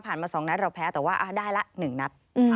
ผ่านมาสองนัดเราแพ้แต่ว่าได้ละหนึ่งนัด